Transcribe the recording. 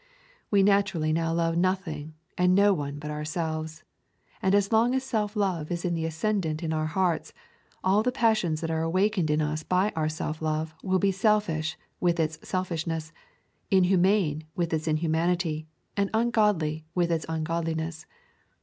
We naturally now love nothing and no one but ourselves. And as long as self love is in the ascendant in our hearts, all the passions that are awakened in us by our self love will be selfish with its selfishness, inhumane with its inhumanity, and ungodly with its ungodliness.